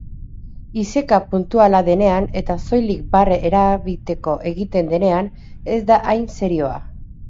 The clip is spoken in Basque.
Iseka puntuala denean eta soilik barre erabiteko egiten denean, ez da hain serioa.